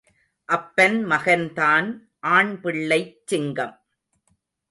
அப்பன் மகன்தான் ஆண் பிள்ளைச் சிங்கம்